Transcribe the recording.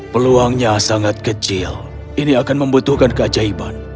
peluangnya sangat kecil ini akan membutuhkan keajaiban